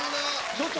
ちょっと。